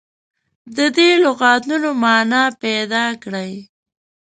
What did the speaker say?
د دې لغتونو معنا پیداکړي.